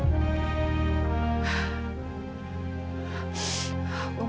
buat makan aja udah habis